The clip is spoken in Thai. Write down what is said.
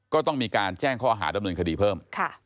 ก็ต้องมีการแจ้งข้อหาดำเนินคดีเพิ่ม